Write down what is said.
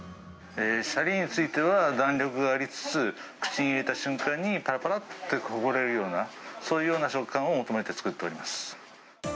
しゃりについては、弾力がありつつ、口に入れた瞬間に、ぱらぱらってほぐれるような、そういうような食感を求めて作っております。